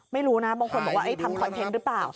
ไม่รู้นะบางคนบอกว่าทำคอนเทนต์หรือเปล่า